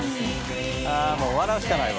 あもう笑うしかないわ。